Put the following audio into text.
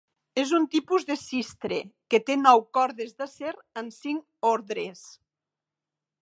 És un tipus de cistre que té nou cordes d'acer en cinc ordres.